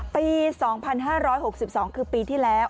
ปี๒๕๖๒คือปีที่แล้ว